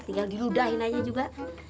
tinggal diludahin aja juga